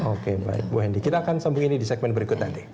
oke baik bu hendy kita akan sambung ini di segmen berikut nanti